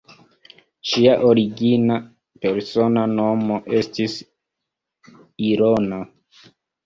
Ŝia origina persona nomo estis "Ilona".